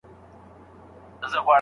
آیا څېړنه تر کاپي کولو ښه ده؟